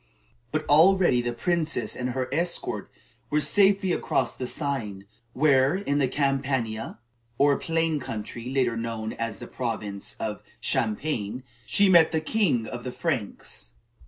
But already the princess and her escort were safely across the Seine, where, in the Campania, or plain country, later known as the province of Champagne she met the king of the Franks.